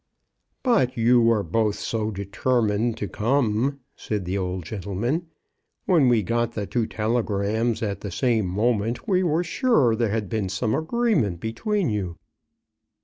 " But you were both so determined to come," said the old gentleman. "When we got the two telegrams at the same moment, we were sure that there had been some agreement between you."